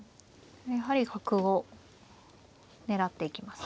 やはり角を狙っていきますね。